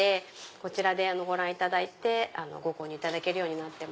こちらでご覧いただいてご購入いただけるようになって。